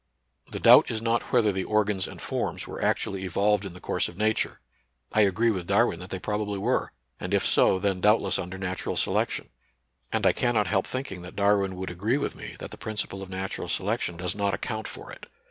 The doubt is not whether the organs and forms were actually evolved in the course of Nature. I agree with Darwin that they prob ably were, and if so then doubtless under nat ural selection. And I cannot help thinking that Darwin would agree with me that the principle of natural selection does not account for it.